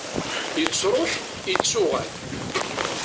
yettruḥ yettuɣal